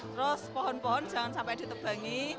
terus pohon pohon jangan sampai ditebangi